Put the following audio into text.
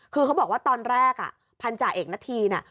คือเขาบอกว่าตอนแรกพันธาเอกณฑีน่ะ